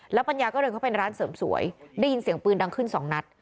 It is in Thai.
ปัญญาก็เดินเข้าไปร้านเสริมสวยได้ยินเสียงปืนดังขึ้นสองนัด